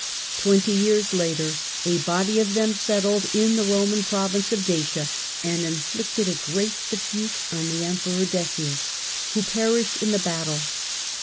Twenty years later a body of them settled in the Roman province of Dacia, and inflicted a great defeat on the Emperor Decius, who perished in the battle.